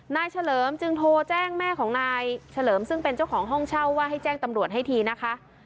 เฉลิมจึงโทรแจ้งแม่ของนายเฉลิมซึ่งเป็นเจ้าของห้องเช่าว่าให้แจ้งตำรวจให้ทีนะคะ